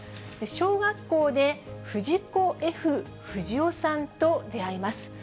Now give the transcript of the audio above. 小学校で藤子・Ｆ・不二雄さんと出会います。